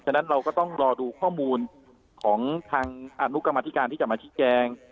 ฉะนั้นเราก็ต้องรอดูข้อมูลของทางอนุกรรมธิการที่จะมาชี้แจง